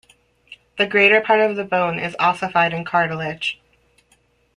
The greater part of the bone is ossified in cartilage.